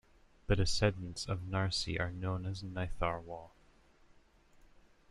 The descendants of Narsi are known as Nitharwal.